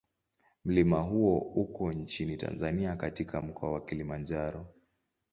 Mlima huo uko nchini Tanzania katika Mkoa wa Kilimanjaro.